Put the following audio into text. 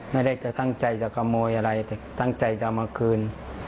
ไม่ได้จะตั้งใจจะขโมยอะไรแต่ตั้งใจจะมาคืน